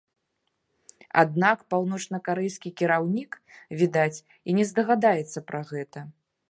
Аднак паўночнакарэйскі кіраўнік, відаць, і не здагадаецца пра гэта.